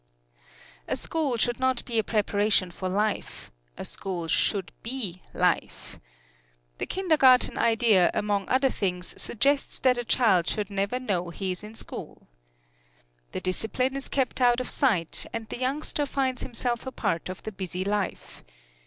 A school should not be a preparation for life: a school should be life. The Kindergarten Idea, among other things, suggests that a child should never know he is in school. The discipline is kept out of sight, and the youngster finds himself a part of the busy life.